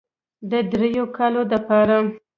د دريو کالو دپاره